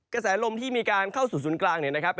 กระแสลมที่มีการเข้าสู่ศูนย์กลางเนี่ยนะครับ